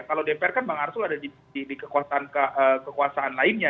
kalau dpr kan bang arsul ada di kekuasaan lainnya